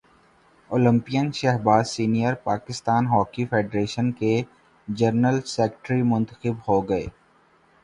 Olympian Shahbaz senior Pakistan hockey federation کے general secretary منتخب ہو گئے